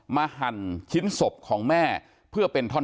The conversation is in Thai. หั่นชิ้นศพของแม่เพื่อเป็นท่อน